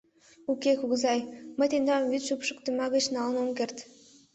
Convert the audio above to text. — Уке, кугызай, мый тендам вӱд шупшыктыма гыч налын ом керт.